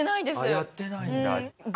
やってないんだ。